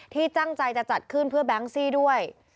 ที่ตั้งใจจะจัดขึ้นเพื่อแบงซี่ด้วย